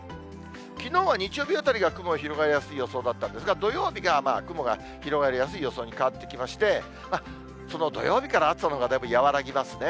きのうは日曜日あたりが雲広がりやすい予想だったんですが、土曜日が雲が広がりやすい予想に変わってきまして、その土曜日から暑さのほうがだいぶ和らぎますね。